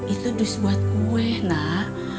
itu kardus buat kue nak